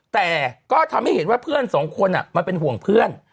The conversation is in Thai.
แต่ก็ทำให้เห็นว่าเพื่อนสองคนมันเป็นห่วงเพื่อน